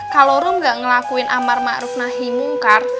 kalo rum gak ngelakuin amar ma'ruf nahi mungkar